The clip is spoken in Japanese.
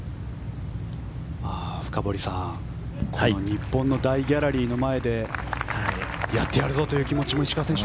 深堀さん日本の大ギャラリーの前でやってやるぞという気持ちも石川選手